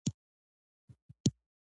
له هغه خپلې هم هېرې دي.